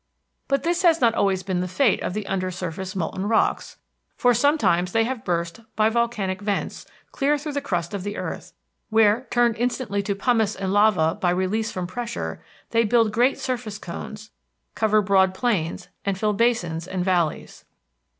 But this has not always been the fate of the under surface molten rocks, for sometimes they have burst by volcanic vents clear through the crust of earth, where, turned instantly to pumice and lava by release from pressure, they build great surface cones, cover broad plains and fill basins and valleys.